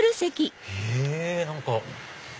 へぇ何か。